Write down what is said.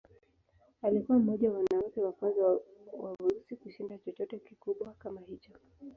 Alikuwa mmoja wa wanawake wa kwanza wa weusi kushinda chochote kikubwa kama hicho.